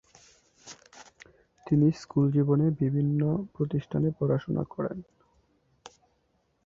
তিনি স্কুল জীবনে বিভিন্ন প্রতিষ্ঠানে পড়াশোনা করেন।